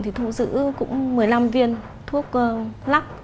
thì thu giữ cũng một mươi năm viên thuốc lắc